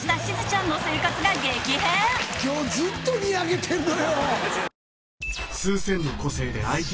今日ずっとにやけてんのよ。